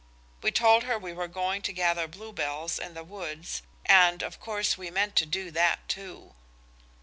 We told her we were going to gather bluebells in the woods, and of course we meant to do that too.